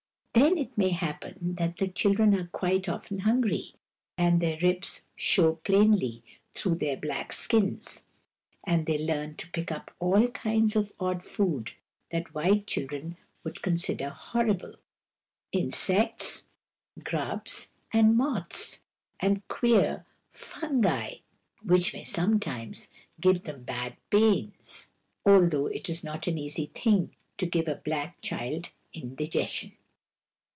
Then it may happen that the children are quite often hungry, and their ribs show plainly through their black skins : and they learn to pick up all kinds of odd food that white children would consider horrible— insects, grubs, and moths, and queer fungi, which may sometimes give them bad pains — although it is not an easy thing to give a black child indigestion.